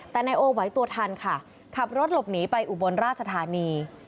แต่นายโอไหวตัวทันค่ะขับรถหลบหนีไปอุบลราชธานี